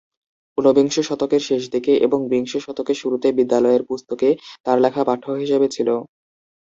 উনবিংশ শতকের শেষদিকে ও বিংশ শতকের শুরুতে বিদ্যালয়ের পুস্তকে তার লেখা পাঠ্য হিসেবে ছিল।